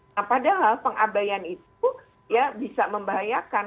nah padahal pengabayan itu ya bisa membahayakan